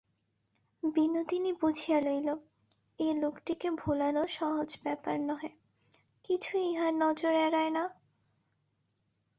বিনোদিনী বুঝিয়া লইল, এ লোকটিকে ভোলানো সহজ ব্যাপার নহে–কিছুই ইহার নজর এড়ায় না।